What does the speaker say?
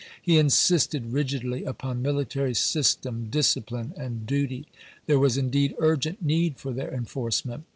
He insisted rig idly upon military system, discipline, and duty. There was indeed urgent need for their enforce ment.